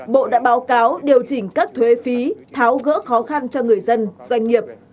bộ đã báo cáo điều chỉnh các thuế phí tháo gỡ khó khăn cho người dân doanh nghiệp